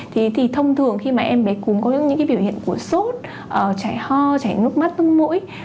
thì thông thường khi mà em bé cúm có những biểu hiện của sốt chảy ho chảy nước mắt tưng mũi